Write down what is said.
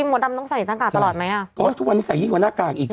มดดำต้องใส่หน้ากากตลอดไหมอ่ะก็ทุกวันนี้ใส่ยิ่งกว่าหน้ากากอีก